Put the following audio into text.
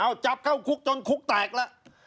เอาจับเข้าคุกจนคุกแตกแล้ว